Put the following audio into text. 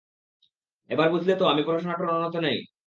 এবার বুঝলে তো, আমি পড়ানো-টড়ানোতে নাই।